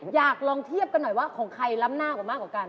อยากลองเทียบกันหน่อยว่าของใครล้ำหน้ากว่ามากกว่ากัน